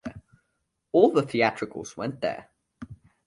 All the theatricals went there